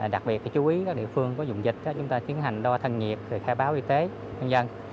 đặc biệt chú ý các địa phương có dùng dịch chúng ta tiến hành đo thân nhiệt khai báo y tế nhân dân